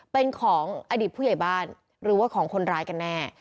เป็นของอดีตผู้ใหญ่บ้านหรือว่าของคนร้ายกันแน่